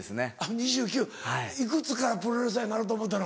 ２９歳いくつからプロレスラーになろうと思ったの？